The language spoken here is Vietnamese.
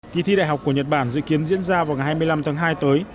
kỳ thi đại học của nhật bản dự kiến diễn ra vào ngày hai mươi năm tháng hai tới